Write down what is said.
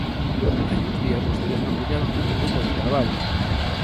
Hai uns días vostedes propuñan un grupo de traballo.